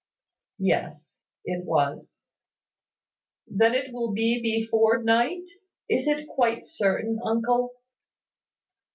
"Yes, it was." "Then it will be before night. Is it quite certain, uncle?"